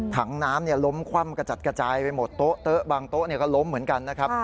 ถังน้ำล้มคว่ำกระจัดกระจายไปหมดโต๊ะบางโต๊ะก็ล้มเหมือนกันนะครับ